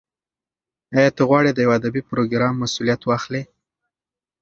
ایا ته غواړې د یو ادبي پروګرام مسولیت واخلې؟